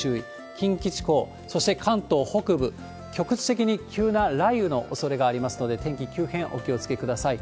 近畿地方、そして関東北部、局地的に急な雷雨のおそれがありますので、天気急変お気をつけください。